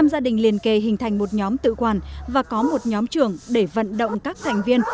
năm gia đình liên kề hình thành một nhóm tự quản và có một nhóm trường để vận động các thành viên